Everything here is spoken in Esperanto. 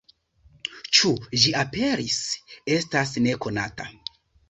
Ĉu ĝi aperis, estas nekonata.